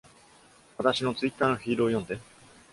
私の Twitter のフィードを読んで。